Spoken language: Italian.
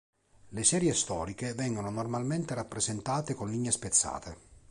Le serie storiche vengono normalmente rappresentate con linee spezzate.